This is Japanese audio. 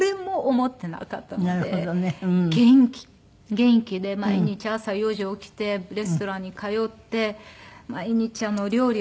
元気で毎日朝４時起きてレストランに通って毎日料理を。